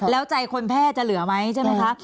แล้วใจคนแพทย์จะเหลือไหมใช่ไหมคะ